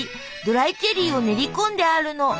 ドライチェリーを練り込んであるの。